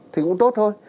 thì cũng tốt thôi